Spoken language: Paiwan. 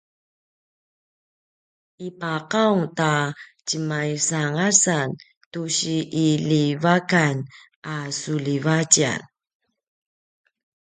ipaqaung ta tjemaisangasan tusi iljivakan a suljivatjan